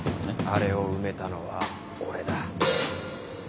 あれを埋めたのは俺だ。